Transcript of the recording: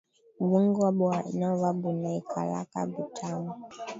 Bunga bwa nova bunaikalaka butamu